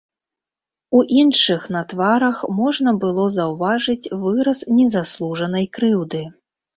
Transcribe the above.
У іншых на тварах можна было заўважыць выраз незаслужанай крыўды.